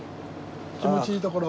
気持ちいいところ。